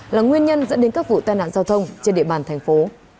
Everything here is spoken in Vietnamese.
là nguyên nhân dẫn đến các vụ tai nạn giao thông trên địa bàn thành phố